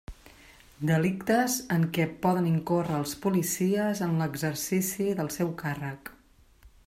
Delictes en què poden incórrer els policies en l'exercici del seu càrrec.